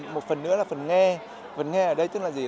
một phần nữa là phần nghe phần nghe ở đây tức là gì